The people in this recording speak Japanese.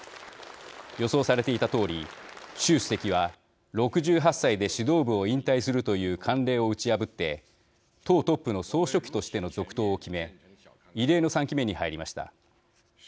予想されていたとおり習主席は６８歳で指導部を引退するという慣例を打ち破って党トップの総書記としての続投を決め異例の３期目に入りました。